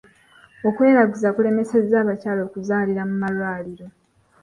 Okweraguza kulemesezza abakyala okuzaalira mu malwaliro.